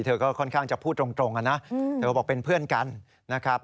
เธอก็ค่อนข้างจะพูดตรงนะเธอบอกเป็นเพื่อนกันนะครับ